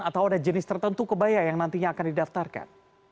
atau ada jenis tertentu kebaya yang nantinya akan didaftarkan